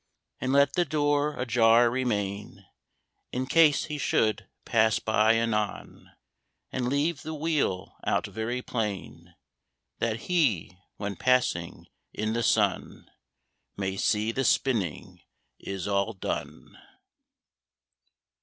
And let the door ajar remain, In case he should pass by anon; And leave the wheel out very plain, That HE, when passing in the sun, May see the spinning is all done.